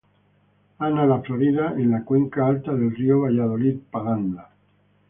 Ana- La Florida, en la cuenca alta del río Valladolid-Palanda.